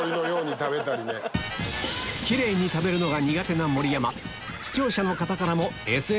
キレイに食べるのが苦手な盛山